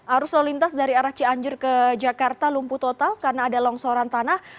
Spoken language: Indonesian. arus lalu lintas dari arah cianjur ke jakarta lumpuh total karena ada longsoran tanah